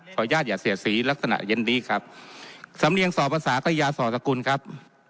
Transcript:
อย่าเสียสีลักษณะเย็นนี้ครับสำเนียงสอภาษาก็ยาสอสกุลครับ